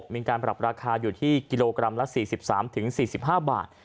มีการปรับราคาอยู่ที่กิโลกรัมละ๔๓๔๕บาท